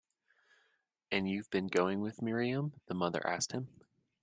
“And you’ve been going with Miriam?” the mother asked him.